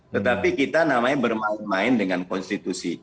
tetapi kita namanya bermain main dengan konstitusi